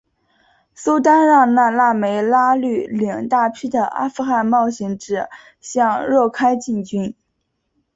苏丹让那腊梅拉率领大批的阿富汗冒险者向若开进军。